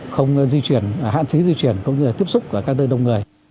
không di chuyển hạn chế di chuyển cũng như là tiếp xúc ở các nơi đông người